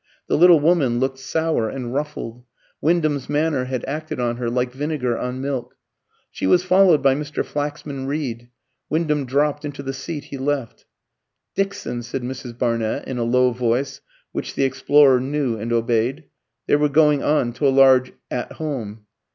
The little woman looked sour and ruffled: Wyndham's manner had acted on her like vinegar on milk. She was followed by Mr. Flaxman Reed. Wyndham dropped into the seat he left. "Dixon," said Mrs. Barnett in a low voice which the explorer knew and obeyed. They were going on to a large "At Home."